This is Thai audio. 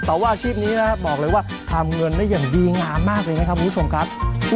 แต่ว่าอาชีพนี้นะครับบอกเลยว่าทำเงินได้อย่างดีงามมากเลยนะครับคุณผู้ชมครับ